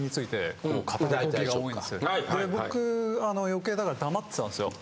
僕余計だから黙ってたんですよ。